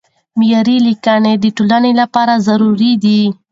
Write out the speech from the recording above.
معیاري لیکنه د ټولنې لپاره ضروري ده.